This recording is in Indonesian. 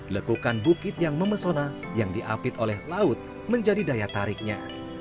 lekukan bukit yang memesona yang diapit oleh laut menjadi daya tariknya